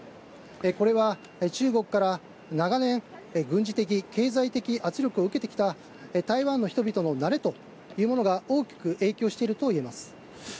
これは中国から長年、軍事的・経済的圧力を受けてきた台湾の人々の慣れというものが大きく影響しているといえます。